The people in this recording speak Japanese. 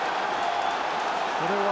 これは？